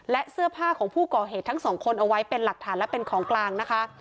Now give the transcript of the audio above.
และเสื้อผ้าของผู้ก่อเหตุทั้งสองคนเอาไว้เป็นหลักฐานและเป็นของกลางนะคะ